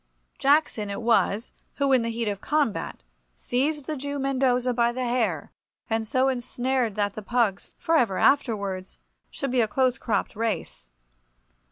Jackson it was who, in the heat of combat, seized the Jew Mendoza by the hair, and so ensured that the pugs for ever afterwards should be a close cropped race.